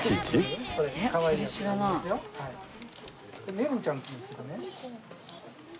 ネルンちゃんっていうんですけどね。